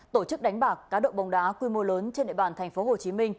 tổ chức đánh bạc cá độ bóng đá quy mô lớn trên địa bàn tp hcm